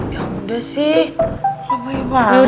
ya udah sih lo bohong banget